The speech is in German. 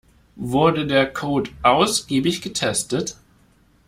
Wurde der Code ausgiebig getestet?